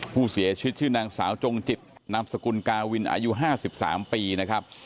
ผู้เสียชีวิตชื่อนางสาวจงจิตนามสกุลกาวินอายุ๕๓ปีนะครับ